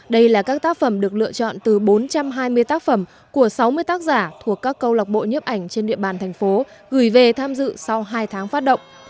đây là các tác phẩm được lựa chọn từ bốn trăm hai mươi tác phẩm của sáu mươi tác giả thuộc các câu lọc bộ nhiếp ảnh trên địa bàn thành phố gửi về tham dự sau hai tháng phát động